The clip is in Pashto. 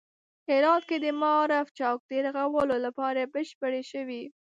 هرات کې د معارف چوک د رغولو چارې بشپړې شوې